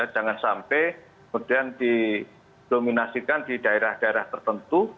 jangan sampai kemudian didominasikan di daerah daerah tertentu